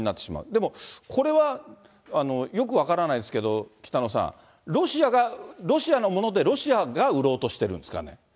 でもこれはよく分からないですけど、北野さん、ロシアが、ロシアのものでロシアが売ろうとしてるんですかね。